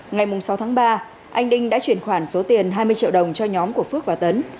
ngày sáu tháng ba anh đinh đã chuyển khoản số tiền hai mươi triệu đồng cho nhóm của phước và tấn